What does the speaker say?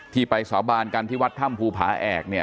ที่ไปสาบานกันที่วัดถ้ำภูผาแอกเนี่ย